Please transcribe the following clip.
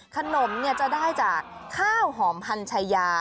ขนมจะได้จากข้าวหอมพันชายา